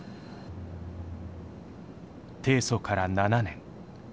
提訴から７年。